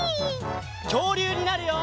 きょうりゅうになるよ！